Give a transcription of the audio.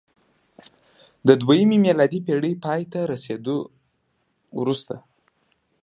د دویمې میلادي پېړۍ پای ته رسېدو وروسته